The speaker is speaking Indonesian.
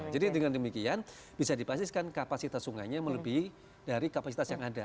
jadi dengan demikian bisa dipastikan kapasitas sungainya melebih dari kapasitas yang ada